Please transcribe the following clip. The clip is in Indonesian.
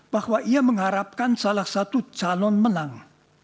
bahwa ia mengharapkan salah satu calon menang